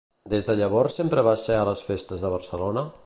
Des de llavors sempre va ser a les festes de Barcelona?